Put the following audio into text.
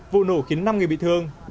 vụ nổ khiến năm người bị thương